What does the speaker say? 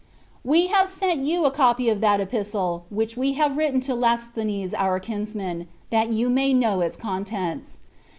We have sent you a copy of that epistle which we have written to Lasthones our kinsman, that you may know its contents.